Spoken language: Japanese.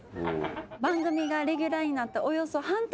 番組がレギュラーになっておよそ半年。